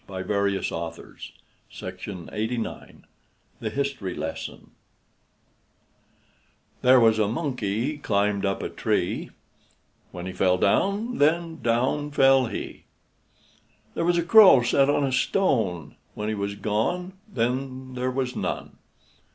FELICIA DOROTHEA HEMANS THE HISTORY LESSON There was a monkey climbed up a tree, When he fell down, then down fell he. There was a crow sat on a stone, When he was gone, then there was none.